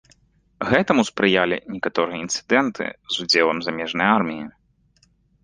Гэтаму спрыялі некаторыя інцыдэнты з удзелам замежнай арміі.